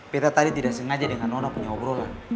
beta tadi tidak sengaja dengan nona punya obrolan